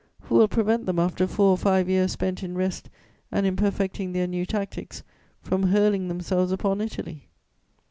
Who will prevent them, after four or five years spent in rest and in perfecting their new tactics, from hurling themselves upon Italy?'